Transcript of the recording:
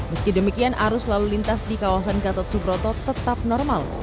meski demikian arus lalu lintas di kawasan gatot subroto tetap normal